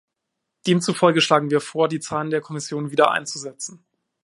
Demzufolge schlagen wir vor, die Zahlen der Kommission wieder einzusetzen.